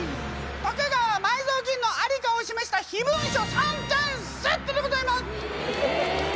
徳川埋蔵金のありかを示した秘文書３点セットでございます！